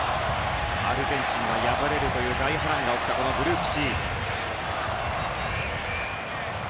アルゼンチンが敗れるという大波乱が起きたこのグループＣ。